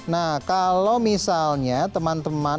nah kalau misalnya teman teman